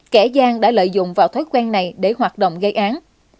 kẻ gian đã lợi dụng vào thói quen này để hoạt động gây án